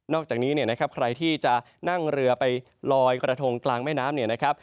นอกจากนี้ใครที่จะนั่งเรือไปลอยคอรทงกลางแม่น้ำ